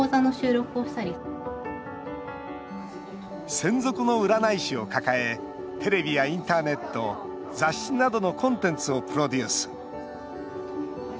専属の占い師を抱えテレビやインターネット雑誌などのコンテンツをプロデュース。